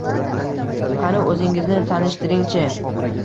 — Qani, o‘zingizni tanishtiring-chi?